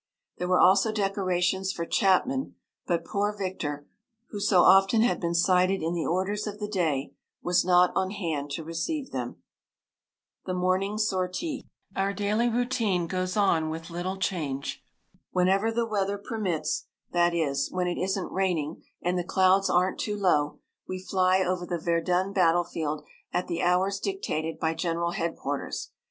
There were also decorations for Chapman, but poor Victor, who so often had been cited in the Orders of the Day, was not on hand to receive them. THE MORNING SORTIE Our daily routine goes on with little change. Whenever the weather permits that is, when it isn't raining, and the clouds aren't too low we fly over the Verdun battlefield at the hours dictated by General Headquarters.